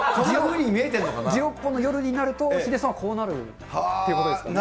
ギロッポンの夜になると、ヒデさんはこうなるということですかね。